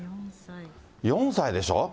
４歳でしょう。